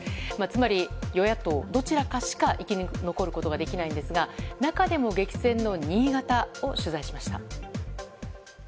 つまり、与野党どちらかしか生き残ることができないんですが中でも激戦の新潟を取材しました。